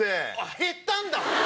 へったんだ！